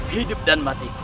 hidup dan mati